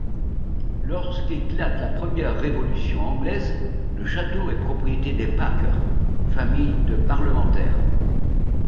Lorsqu’éclate la Première Révolution anglaise, le château est propriété des Packer, famille de parlementaires.